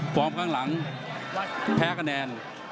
ข้างหลังแพ้คะแนน